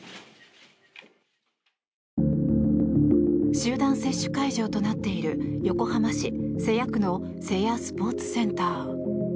集団接種会場となっている横浜市瀬谷区の瀬谷スポーツセンター。